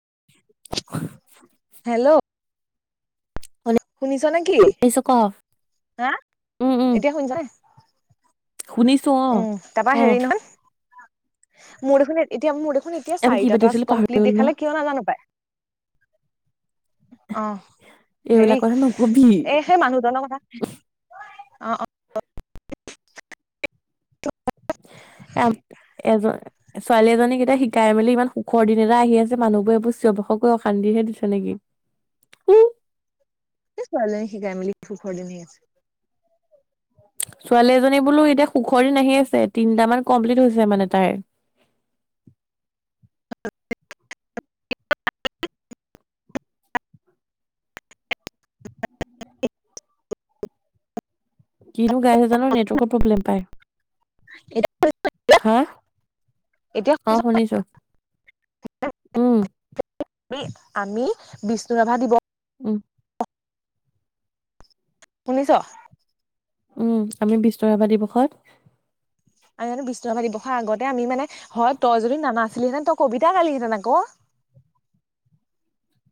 [inaudible] শুনিছা নে কি শুনিছো ক হা উম উম এতিয়া শুনিছা নে। শুনিছো অ উম, তাৰপা অ। হেৰি [inaudible] এতিয়া আমি কি চাৰিটা টাচ পাতিছিলো পাহৰি কমপ্লিট গলো ন দেখালে কিয় নাজানো পায়। অ হেৰি এইবিলাক কথা নকবি এ সেই মানুহজনৰ কথা। অঁ অঁ। [unintelligible] ছোৱালী এজনীকেইটা শিকাই মেলি ইমান সুখৰ দিন এটা আহি আছে মানুহবোৰে এইবোৰ চিঞৰ বাখৰ কৰি অশান্তিহে দিছে নেকি। কি ছোৱালী এজনীক সিকাই মেলিৰ দিন আছে। ছোৱালী এজনী বোলো এতিয়া সুখৰ দিন আহি আছে তিনটামান কমপ্লিট হৈছে মানে তাইৰ। কিনো গাই আছে জানো নেটৱৰ্কৰ প্ৰব্লেম পাই। হা এতিয়া অ শুনিছো উম। আমি আমি বিষ্ণু ৰাভা দিৱস। উম। শুনিছ। উম আমি বিষ্ণু ৰাভা দিৱসত। আমি বিষ্ণু ৰাভা দিৱসৰ আগতে আমি মানে হয় তই যদি নানাছিলিহেঁতেন তই কবিতা নালিহেঁতেন আক।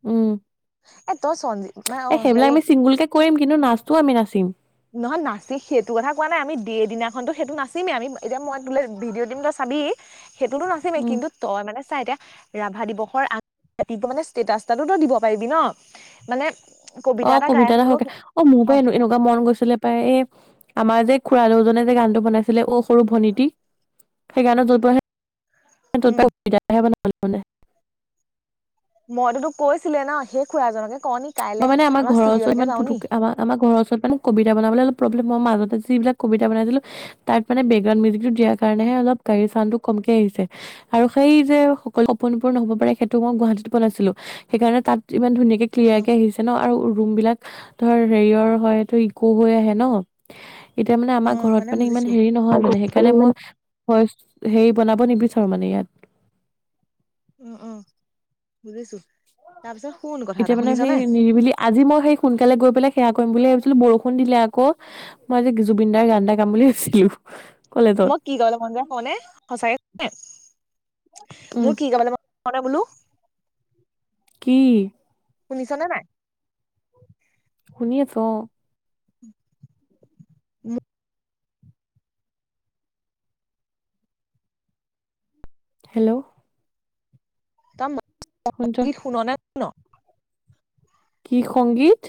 উম। মানে এ অ' হেৰি সেইবিলাক আমি চিংগুলক কে কৰিম কিন্তু নাচটোও আমি নাচো। টিম। নহয় নাচি সেইটো কথা কোৱা নাই আমি দেদিনাখনতো সেইটো নাচিমেই আমি এতিয়া মই তোলে ভিডিঅ' দিম চাবি। সেইটোতো নাছিলিমেই উম কিন্তু তই মানে চাই এতিয়া। ৰাভা দিৱসৰ আগ্ ৰাতি মানে ষ্টেটাছটোতো দিব পাৰিবি ন মানে। অ এটা গাই কবিতা হ'লেও নহক অ মোৰ পাই এনেকুৱা মন গৈছ। বোলে পাই এ আমাৰ যে খুৰা দুজনে যে গানটো বনাইছিলে অ। সৰুভণীতি। সেইকাৰণে যটো আহে। উম [unintelligible] [unintelligible] মইতো তোক কৈছিলে না শেই খুৰা এজনকে। মই মানে আমা ঘৰৰ ওচৰত ইমন পুতুককে আমাৰ আমাৰ ঘৰৰ ওচৰত মানে কিবিতা বনাবলে অলপ প্ৰব্লেম। মই মাজতে যি বিলাক কবিতা বনাইছিলো তাত মানে বেকগ্ৰাউণ্ড মিওজিক। দিয়ে অ কাৰণে হে অলপ গাড়ীৰ চাউণ্ড টো কমকে আহিছে আৰু সেই যে সকলো সকলো আপোন আপোন নহ'ব পাৰে সেইটো মই গুৱাহাটীটো পোৱানাছিলো সেইকাৰণে তাত ইমান ধুনীয়াকে ক্লিয়াৰ অ আহিছে ন আৰু ৰুম বিলাক ধৰ হেৰিয়ৰ হয় তো ইকো হৈ আহে ন এতিয়া মানে অ আমাৰ ঘৰত মানে ইমান বুজিছো হেৰি নহয় মানে সেইকাৰণে মই হয় হেৰি বনাব নিবিচাৰো মানে ইয়াত উম উম বুজিছো তাৰ পিছত শুন কথা এটা এতিয়া মানে সেই শুনিছনে নিৰিবিলি আজি মই সেই সোনকালে গৈ পেলাই সেয়া কৰিম বুলি ভাবিছিলো বৰষুণ দিলে আকৌ মই যে জুবিনদাৰ গান এটা গাম বুলি ভাবিছিলো কলেজত। মই কি কলে মন যায় কওঁনে সঁচাকে কলে উম মোৰ কি কবলে বোলো কি শুনিছা নে নাই শুনি আছোঁ অ উম হেল্ল' তম [unintelligible] অ শুনিছ কি শুন না ন কি সংগীত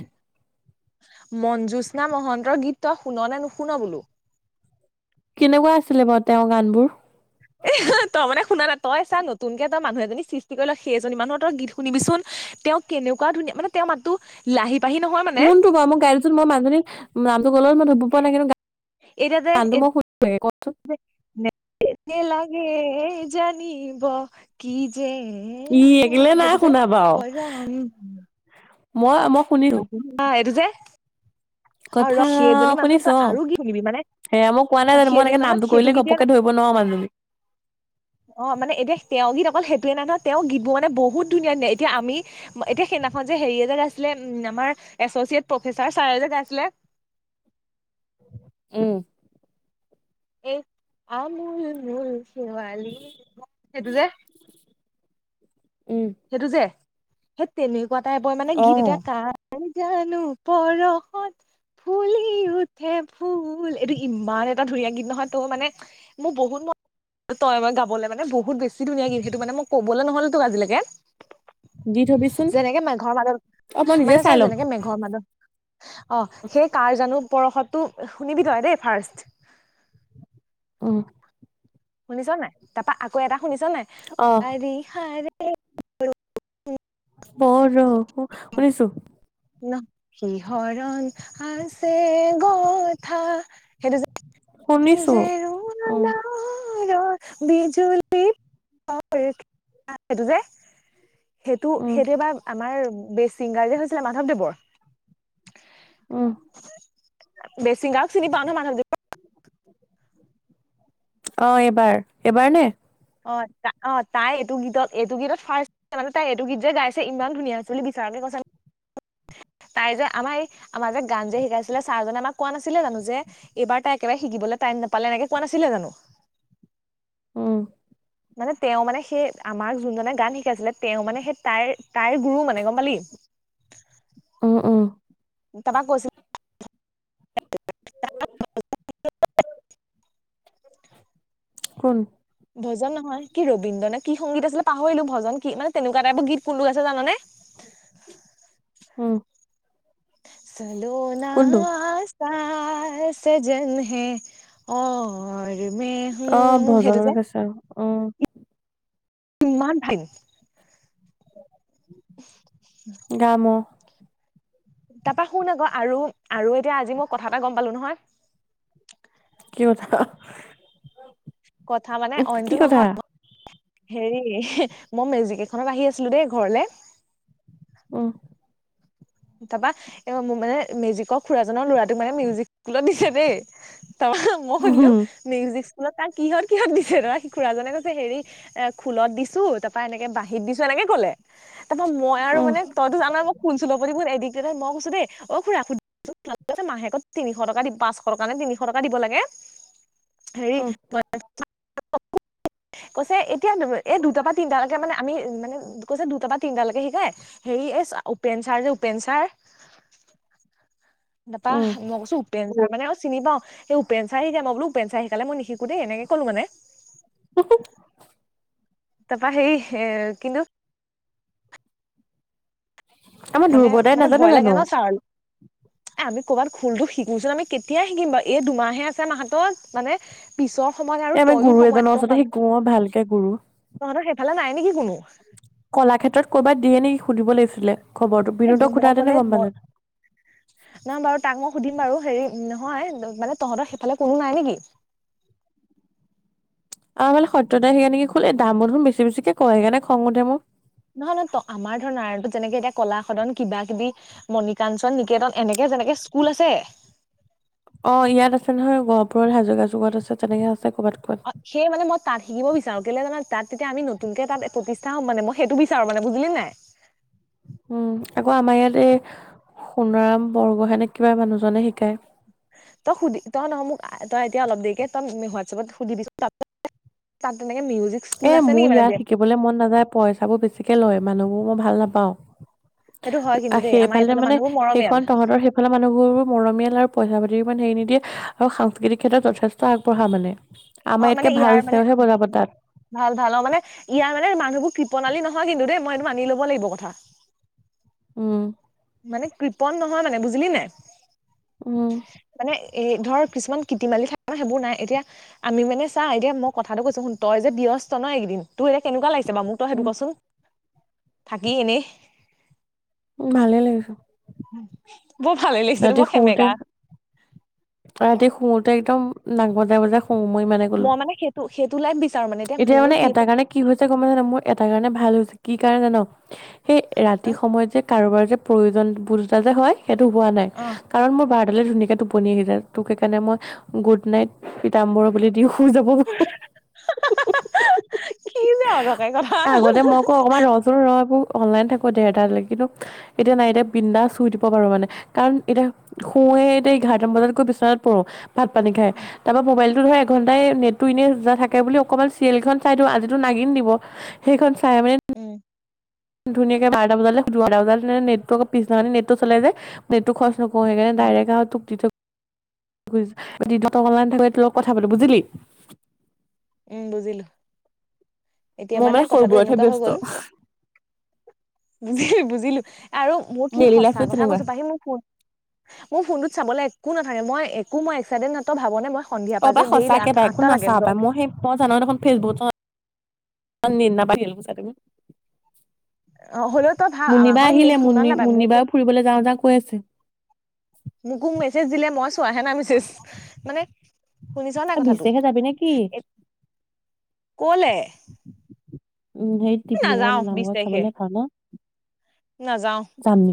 মঞ্জুস্না মহন্তৰ গীত ত শুন নে নুশুনা বোলো কেনেকুৱা আছিলে বাৰু তেওঁৰ গানবোৰ এ তই মানে শুনা নাই তই চা নতুনকে তই মানুহ এজনী সৃষ্টি কৰি ল সেই এজনী মানুহ তৰ গীত শুনিবিচোন তেওঁ কেনেকুৱা ধুনীয়া মানে তেওঁৰ মাতটো লাহি পাহি নহয় মানে কোনটো বাও মই মোৰ গাড়ী যোন মই মানুহ জনিক তগলত মই ধুব পৰা নাই কিন্তু এতিয়া গানটো যে মই সুধো কচোন [unintelligible] নেলাগে জানিব কি যে ই কেলে নাই শুনা বাৰু হৈয়ন সেইটো য়ে মই আমাৰ এটো যে আৰু কথা ৰ সেইজনী মানুহত শুনিছ তই অ আৰু গীত শিকিবি মানে সেয়া মই কোৱা নাই জানো মই এনেকে সেইজনী নামটো মানুহত কৰিলে সেইটো গীতে ঘপকে ন ধৰিব নোৱাৰো মানুহজনী। অ মানে এতিয়া তেওঁ গীত অকল সেইটো তেওঁ মানে তেওঁ গীত মানে বহুত ধুন ধনীয়া এতিয়া আমি এতিয়া সেইদিনাখন যে হেৰি এটা আছিলে উম আমাৰ এছচিয়েট প্ৰফেচাৰ ছাৰে গাইছিলে উম এক আমূল মূল শেৱালি সেইটো যে উম, সেইটো যে স তেনি কুৱ এটাই মানে গীত এতিয়া অ', কা জানো পৰশত ফুলি উঠে ফুল এইটো ইমান এটা ধুনীয়া গীত নহয় তই মানে মোৰ বহুত মন তই মই গাবলৈ মানে বহুত বেছি ধুনীয়া গীত সেইটো মানে মই ক'বলৈ নহ'ল তোক আজিলৈকে। দি থবিচোন যেনেকে মেঘৰৰ অ', মই মাদত নিজে মানে চাই ছাৰ ল'ম। যেনেকে মেঘৰ মাদত অ সেই কাৰ জানোঁ। পৰশতটো শুনিবি তই দেই ফাৰ্ষ্ট। অ শুনিছ নাই তাপা আকৌ এটা শুনিছা নাই শাৰি শাৰি। এই ব ৰ শুনিছোঁ ন সি হৰণ আছে গথা সেইটো? যে শুনিছোঁ উম মূৰৰ বিজুলি এইটো যে সেইটো উম, সেইটো এটা আমাৰ বে ছিংগাৰ যে হৈছিলে মাধৱদেৱৰ। উম বেছিংগা চিনি পাওঁ নে মাধৱদেৱক? অ এইবাৰ এবাৰ নে অ ত অ তাই এইটো গীত এইটো গীত ফাৰ্ষ মে তাই এইটো গীত যে গাইছে ইমান ধুনীয়া হৈছে বুলি বিচাৰকে কৈছে। তাই যে আমাৰ আমাৰ যে গান যে শিকাইছিলে ছাৰজনে আমাক কোৱা নাছিলে জানো যে এইবাৰ তাই একেবাৰে শিকিবলৈ টাইম নাপালে এনেকে কোৱা নাছিলে জানো। অহ মানে তেওঁ মানে সেই আমাক যোনজনে গান শিকাইছিলে তেওঁ মানে সেই তাইৰ তাইৰ গুৰু মানে গম পালি। অ অ তাপা কৈছিলে। কোন ভজন নহয় কি ৰবীন্দ্ৰ নে কি সংগীত আছিলে। পাহৰিলোঁ ভজন কি মানে তেনেকুৱা টাইপৰ গীত কোনটো গাইছে জানানে। উম চালো না কোনটো? কা সজন হে অঔ। অ ভজনলৈ গৈছে আৰু। অ কিমান ভা উম গাম অ তাপা শুন আকৌ আৰু আৰু এতিয়া আজি মই কথা এটা গম পালোঁ নহয়। কি কথা কথা মানে কি অইনটো কথা? নহয় হেৰি মই মেজিক এখনত আহি আছিলোঁ দেই ঘৰলে। উম তাৰপৰা। এইবাৰ মোৰ মানে মেজিকৰ খুৰাজনৰ ল'ৰাটোক মানে মিউজিক স্কুলত দিছে দেই। তাৰ মই উম, সুধিলোঁ, মিউজিক স্কুলত তাক কিহত - কিহত দিছে ধৰা। সি খুৰাজনে কৈছে হেৰি এ খোলত দিছোঁ, তাৰপৰা এনেকে বাঁহীত দিছোঁ, এনেকে ক'লে। তাৰপৰা মই আৰু উম, মানে, তইতো জানই মই কোন স্কুলত [unintelligible] হৈ মই কৈছোঁ দেই, অ' খুৰা [unintelligible] মাহেকত তিনিশ টকা দি- পাঁচশ টকা নে তিনিশ টকা দিব লাগে? হেৰি উম, [unintelligible] [unintelligible] কৈছে এতিয়া দু- দুটামান পৰা তিনটালৈকে মানে আমি মানে কৈছে দুটা বা তিনটালৈকে শিকায়। হেৰি এই চ- উপেন চাৰ যে পেন চাৰ নাপা। উম, মই কৈছোঁ উপেন চাৰ মানে চিনি পাওঁ। সেই উপেন চাৰে শিকায়। মই বোলো উপেন চাৰে শিকালে, মই নিশিকো দেই, এনেকে ক'লো মানে। [unintelligible] তাৰপৰা সেই এ- কিন্তু আমাৰ মানে - ধ্ৰুৱদাই মানে নাজানে ভয় লাগে জানো? ন' ছাৰ। আমি কৰ'বাত খোলটো শি [unintelligible] আমি কেতিয়াই শিকিম বাৰু? এই দুমাহে আছে মাহাতত? মানে পিছত এ আমি গুৰু এজনৰ ওচৰত শিকোঁ, ভালকে গুৰু। তহঁতৰ সেইফালে নাই নেকি কোনো? কলাক্ষেত্ৰত ক'ৰবাত দিয়ে নেকি সুধিব লাগিছিলে। খবৰটো এ বিনোদক দিব সোধাহেতেনে কলে গম পালে বৰ- নাই বাৰু তাক মই সুধিম বাৰু। হেৰি নহয়, মানে তহঁতৰ সিফালে কোনো নাই নেকি? অ' মানে সত্যদাই সেইয়া নেকি খোলে। এই দামবো দেখোন বেছি - বেছিকে কয়। সেইকাৰণে খং উঠে মোৰ। নহয় - নহয়। ত- আমাৰ ধৰ নাৰায়ণপূৰত যেনেকে এতিয়া কলাসদন, কিবা-কিবি, মণিকাঞ্চন নিকেতন এনেকে যেনেকে স্কুল আছে অ' ইয়াত আছে নহয়, গহপুৰত। হাজৰিকা চুকত আছে। তেনেকে আছে। ক'ৰবাত ক'ৰবাত অ' সেই মানে মই তাত শিকিব বিচাৰোঁ। কেলে জানা, তাত তেতিয়া আমি নতুনকে তাত প্ৰতিষ্ঠা হ'ম মানে। মই সেইটো বিচাৰোঁ মানে। বুজিলিন নাই? উম, আকৌ আমাৰ ইয়াত এই সোণাৰাম বৰগোহাঁই নে কিবা মানুহজনে শিকায়। তই সুধি- তই নহয় মোক- তই এতিয়া অলপ দেৰিকে- তই হোৱাটছএপত সুধিবিচোন [unintelligible] তাত তেনেকে মিউজিক স্কুল এ আছে মোৰ নেকি মানে ইয়াত শিকিবলৈ মন নাযায়। পইছাবোৰ বেছিকে লয়। মানুহবোৰ মই ভাল নাপাওঁ। সেইটো হয় কিন্তু অ' দেই আমাৰ এইফালে এইফালৰ মানে মানুহবোৰ মৰমীয়াল সেইখন তহঁতৰ সেইফালে মানুহবোৰ বৰ মৰমিয়াল আৰু পইচা-পাতিৰ ইমান হেৰি নিদিয়ে আৰু সাংস্কৃতিক ক্ষেত্ৰত যথেষ্ট আগবঢ়া মানে। অ আমাৰ মানে ইয়াতকে ইয়াৰ ভাল মানে চেওহে বজাব তাত। ভাল - ভাল। অ' মানে ইয়াৰ মানে মানুহবোৰ কৃপনালী নহয় কিন্তু দেই। মই এইটো মানি ল'ব লাগিব কথা। উম। মানে কৃপন নহয় মানে বুজিলি নাই। উম। মানে এই ধৰ কিছুমান কীতিমালি থাকে ন সেইবোৰ নাই এতিয়া আমি মানে চা এতিয়া মই কথাটো কৈছো শুন তই যে ব্যস্ত ন এইকেইদিন টোৰ এতিয়া কেনেকোৱা লাগিছে। মোক তই সেইটো উম, কচোন। থাকি এনেই। উ ভালে লাগিছে। বৰ ভালে লাগিছে ৰাতি বৰ সেমেকা শুওঁতে ৰাতি শুওঁতে একদম। নাক বজাই বজাই - শুও মই ইমানে কলো। মানে সেইটো সেইটো লাইফ বিচাৰো মানে এতিয়া মোৰ মানে কি এটা যে কাৰণে কি হৈছে গম পাইছা নাই মোৰ এটা কাৰণে ভাল হৈছে। কি কাৰণে জান। সেই ৰাতি হা? সময়ত যে। কাৰোবাৰ যে প্ৰয়োজন বোধ এটা যে হয়। সেইটো হোৱা নাই অ কাৰণ মোৰ বাৰ। সেই ফালে ধুনীয়া কে টোপনি আহি যায় তোক সেইকাৰণে মই গুড নাইট পিতাম্বৰ বুলি দিওঁ। হোৰ যাব। কি যে অদৰকাৰী কথা আগতে মই ক অকমান ৰচোন ৰ। অনলাইন থাকো ডেৰটাৰ লৈকে কিন্তু এতিয়া নাই এতিয়া বিন্দাছ শুই দিব পাৰো মানে কাৰণ এতিয়া শুৱে এতিয়া এঘাৰটামান বজাত গৈ বিচনাত পৰো। ভাত পানী খাই উম তাৰ পৰা মোবাইল। ধৰা এঘণ্টাই নেটটো এনে যা থাকে। তাকে বুলি অকমান চিৰিয়েল খন চাই দিওঁ আজিতো নাগিন দিব সেইখন। টাইমে। উম ধুনীয়াকে বাৰটা বজালে শুলো আৰু বাৰটা বজাত নেট আকৌ পিছদিনা খনি নেটটো চলে যে নেটটো আকৌ খৰচ ন। মই সেইকাৰণে উম ডাইৰেক্ট আৰু তোক দি থৈ। ত অনলাইন থাকোতে তোৰ লগত কথা পাতো বুজিলি। উম বুজিলো। এতিয়া মোৰ মানে কথাটো সৰুবোৰতহে ব্যস্ত। বুজিলো বুজিলো আৰু মোৰ কি ডেইলী সঁচা লাইফটো কথা তেনেকুৱা কৈছো পাহি মোৰ ফোন মোৰ ফোনটোত চাবলে একো নাথাকে মই। একো মই একসাইডেট নাই তই ভাবনে মই। সন্ধিয়া পা যে অবা দেৰি সঁচাকে আঠ পাই একো আঠটা লাগে নাচাও পায় মই সেই মই জানএ দেখোন ফেচবুকত। ন নি ন পাই খেল পছ ত মি অ হ'লেও তই [inaudible] ভাব আমাৰ মুনিবাই ঘৰত আহিলে নেট মু কিমান নাপায় মোৰ ফোন মুনিবাইও ফুৰিবলৈ যাওঁ যাওঁ কৈ আছে। যে জিলে মা। আহে নাই আমি সেছ, মানে শুনিছা নাই অ কথাটো? বিশটাৰিখে যাবি নে কি? কৌলে? উম সেই টিপলিঙৰ নামঘৰত চাবলে ভাল হে নাযাও,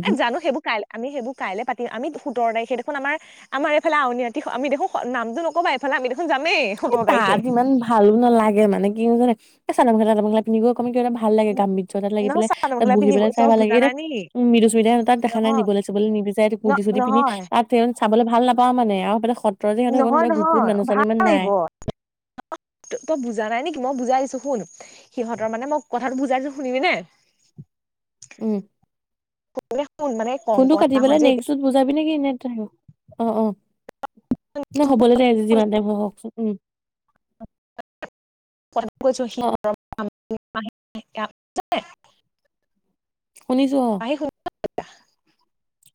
এ জানো সেইবোৰ কাইলে আমি সেইবোৰ কাইলে পাতিম। আমি সোতৰ তাৰিখে দেখোন আমাৰ, আমাৰ এইফালে আউনি আটি, আমি দেখোন নামটো নকবা এইফালে আমি দেখোন যামেই এ সোতৰ তাৰিখে। তাত ইমান ভালো নালাগে, মানে কিয় জানা? এ চাদৰ মেখেলা যেনেকা পিন্ধি গৈ এনে কিবা এটা ভাল লাগে ন- গাত বিচত এটাত লাগি নহয় পেলাই চাদৰ তাত মেখেলা বহি পিন্ধিব পেলাই চাই তই ভাল লাগে, বুজা এইটো নাই নেকি? উম মৃদুস্মিতা তাত দেখা নাই নহয় নিবলৈ চুবলৈ নিবিচাৰে ন কুৰ্তি -চোৰ্তি পিন্ধি নহয় তাতে চাবলৈ ভাল নাপাওঁ মানে তেওঁ [unintelligible] [inaudible] তইযে সিহঁতৰ ঘৰত নহয় গৈ কুকুৰ নহয় নেন ভাল চলিব নে লাগিব। নাই? তই বুজা নাই নেকি মই বুজাই দিছো শুন, সিহঁতৰ মানে মই কথাটো বুজাইছো শুনিবি নে? উম হয় [inaudible] ফোনটো কাটি পেলাই নেক্সটত বুজাবি নেকি এনে অ, অ ন হবলৈ দে আজি যিমান শুনিছ, টাইম নহকচোন উম কথাটো কৈছো সি অ [unintelligible] শুনিছো অ তাপা [unintelligible]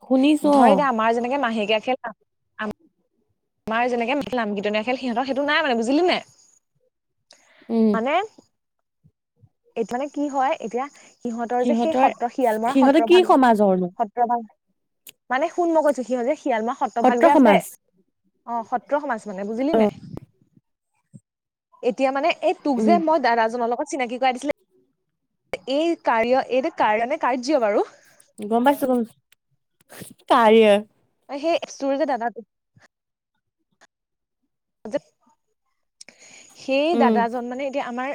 শুনিছো ধৰে অ', দে আমাৰ যেনেকে মাহেকীয়া খেলা আই [unintelligible] মায়ে যেনেকে মান লাম খেলাম সিহঁতৰ সেইটো নাই মানে বুজিলি নে? উম, মানে এইটো মানে কি হয় এতিয়া সিহঁতৰ যে সেই সত্ৰ শিয়াল মৰা, সত্ৰ সিহঁতে কি ভাল, সমাজৰনো সত্ৰ ভাল মানে শুন মই কৈছো, সিহঁতে যে শিয়াল মাহ সত্ৰভাগ সত্ৰ যে আছে সমাজ অ সত্ৰ সমাজ, মানে বুজিলি নে এতিয়া মানে এই তোক যে উম, মই দাদাজনৰ লগত চিনাকি [unintelligible] কৰাই দিছিলে এই কাঢ়ি অ এইটো কাঢ়ি অ নে কাৰ্য বাৰু? গম পাইছো গম কাৰি অ সেই চোৰ যে দাদা টো [unintelligible] সেই উম, দাদাজন মানে এতিয়া আমাৰ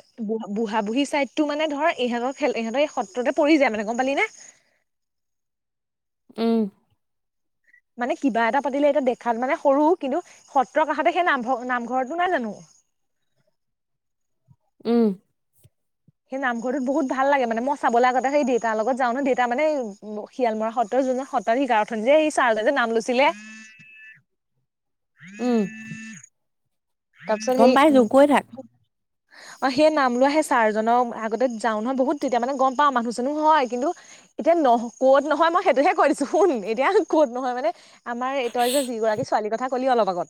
বুঢ়া বুঢ়ী চাইডতটো মানে ধৰ ইহঁতৰ খেল ইহঁতৰ এই সত্ৰতে পৰি যায় মানে গম পালি নে উম মানে কিবা এটা পাতিলে এতিয়া দেখাত মানে সৰু কিন্তু সত্ৰৰ কাষতে সেই নামঘৰ কোন হয় জানো উম সেই নামঘৰটোত বহুত ভাল লাগে মানে মই চাবলে আগতে দেউতাৰ লগত যাওঁ ন দেউতা মানে শিয়াল মৰা সত্ৰৰ জোন জনে সত্ৰৰ সত্ৰাধিকাৰ যে সেই ছাৰ জনে যে নাম লৈছিলে উম তা পাছত গম সেই পাইছো উম কৈ থাক অ সেই নাম লোৱা সেই ছাৰজনৰ আগতে যাও নহয় বহুত তেতিয়া মানে গম পাওঁ মানুহ জনুহ হয় কিন্তু এতিয়া ন কত নহয় মই সেইটোহে কৈ দিছো [unintelligible] নহয় মানে আমাৰ এই তই যে যি গৰাকী ছোৱালীৰ কথা কলি অলপ আগত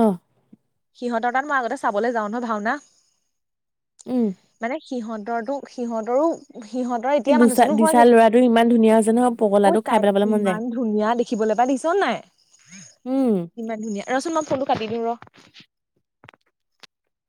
অহ সিহঁতৰ তাত মই আগতে চাবলৈ যাওঁ নহয় ভাওনা উম সিহঁতৰটো সিহঁতৰো সিহঁতৰ এই এতিয়া মানুহ দুচা চানোহ দিচা হোৱাকে ল'ৰাটো ইমান ধুনীয়া হৈছে নহয় পগলাটো খাই তাই পেলাবলৈ মন যায় ইমান ধুনীয়া দেখিবলৈ পাই দেখিছ নাই উম। ইমান ধুনীয়া। ৰহচোন ৰহ মই ফুনটো কাটি দিও ৰহ।